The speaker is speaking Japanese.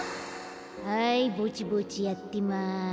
はいぼちぼちやってます。